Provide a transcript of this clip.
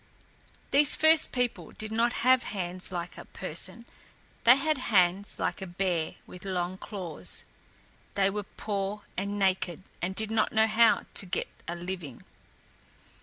These first people did not have hands like a person; they had hands like a bear with long claws. They were poor and naked and did not know how to get a living.